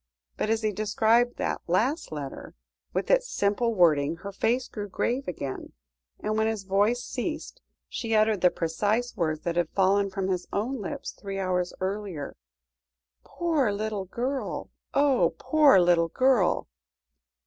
But as he described that last letter, with its simple wording, her face grew grave again, and when his voice ceased, she uttered the precise words that had fallen from his own lips three hours earlier. "Poor little girl oh! poor little girl!"